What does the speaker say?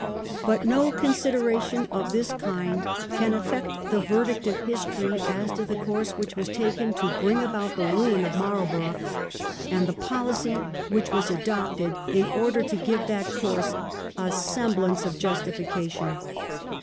But no consideration of this kind can affect the verdict of history as to the course which was taken to bring about the ruin of Marlborough, and the policy which was adopted in order to give that course a semblance of justification.